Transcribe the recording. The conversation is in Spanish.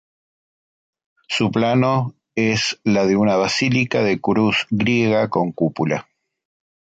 Su plano es la de una basílica de cruz griega con cúpula.